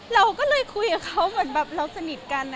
เราก็เลยคุยกับเขาเหมือนแบบเราสนิทกัน